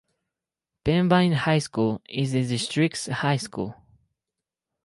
Pembine High School is the district's high school.